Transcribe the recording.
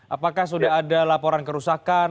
apakah sudah ada laporan kerusakan